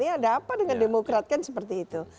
ada apa dengan demokrat kan seperti itu